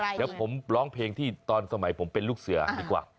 เดี๋ยวผมร้องเพลงที่ตอนสมัยผมเป็นลูกเสือดีกว่า